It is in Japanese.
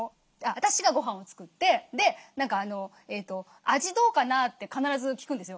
私がごはんを作って「味どうかな？」って必ず聞くんですよ。